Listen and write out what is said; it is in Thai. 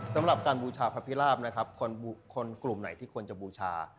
สำหรับการบูชาพระพิราบนะครับคนกลุ่มไหนที่ควรจะบูชา